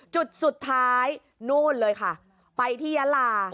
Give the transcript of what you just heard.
จุดสุดท้ายนู่นเลยค่ะไปที่ยาลา